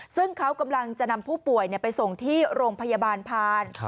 ซึ่งเขากำลังจะนำผู้ป่วยไปส่งที่โรงพยาบาลพาน